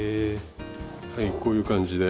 はいこういう感じで。